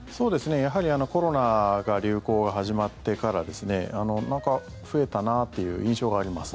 やはりコロナが流行が始まってからなんか増えたなっていう印象があります。